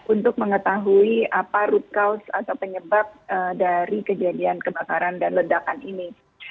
untuk mengetahui apa root cause atau penyebab dari kejadian kebakaran dan ledakan ini